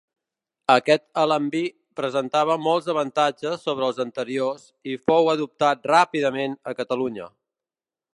Aquest alambí presentava molts avantatges sobre els anteriors i fou adoptat ràpidament a Catalunya.